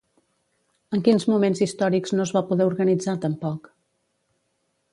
En quins moments històrics no es va poder organitzar tampoc?